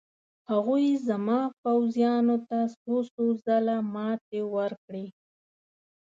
هغوی زما پوځیانو ته څو څو ځله ماتې ورکړې.